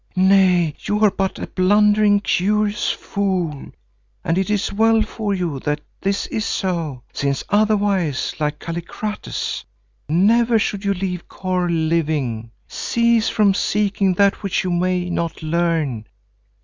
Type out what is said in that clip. Nay, you are but a blundering, curious fool, and it is well for you that this is so, since otherwise like Kallikrates, never should you leave Kôr living. Cease from seeking that which you may not learn.